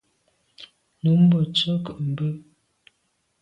Nummbe ntse ke’ be.